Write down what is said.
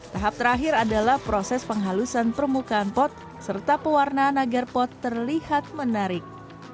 tahap terakhir adalah proses penghalusan permukaan pot serta pewarnaan agar pot terlihat menarik